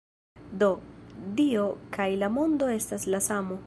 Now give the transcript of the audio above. Do, Dio kaj la mondo estas la samo.